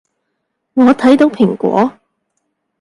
我睇到蘋果